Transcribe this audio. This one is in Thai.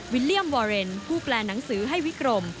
เลี่ยมวอเรนผู้แปลหนังสือให้วิกรม